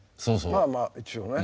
まあまあ一応ね。